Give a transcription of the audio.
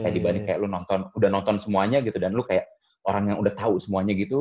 dibanding kayak lu udah nonton semuanya gitu dan lu kayak orang yang udah tahu semuanya gitu